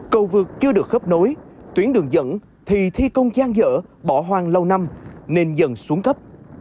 cầu vượt chưa được khớp nối tuyến đường dẫn thì thi công gian dở bỏ hoang lâu năm nên dần xuống cấp